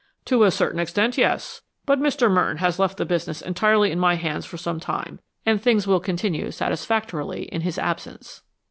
"To a certain extent, yes. But Mr. Merton has left the business entirely in my hands for some time, and things will continue satisfactorily in his absence."